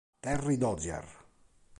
Terry Dozier